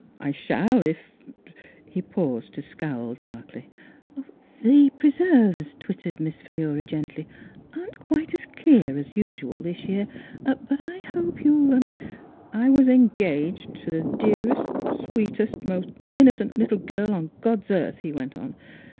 I shall if —*' He paused to scowl darkly. " The preserves," twittered Miss Phi lura gently, " aren't quite as clear as usual this year : but I hope — you'll —"" I was engaged to the dearest, sweet est, most innocent little girl on God's earth," he went on.